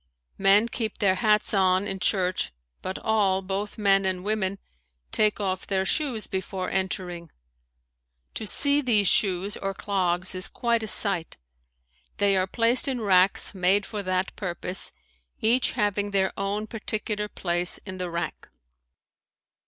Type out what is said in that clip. Men keep their hats on in church, but all, both men and women, take off their shoes before entering. To see these shoes, or clogs, is quite a sight. They are placed in racks made for that purpose, each having their own particular place in the rack.